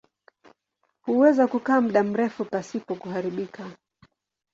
Huweza kukaa muda mrefu pasipo kuharibika.